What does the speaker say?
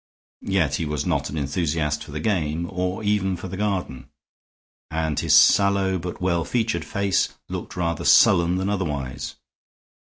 Yet he was not an enthusiast for the game, or even for the garden; and his sallow but well featured face looked rather sullen than otherwise.